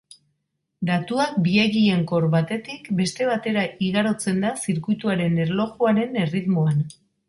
Datuak biegonkor batetik beste batera igarotzen da zirkuituaren erlojuaren erritmoan.